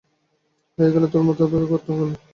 হয়ে গেলে তোর মতের অপেক্ষা কেউ করত না।